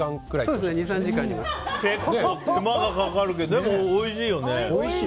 手間がかかるけどでも、おいしいよね。